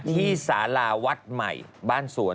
ที่สาราวัดใหม่บ้านสวน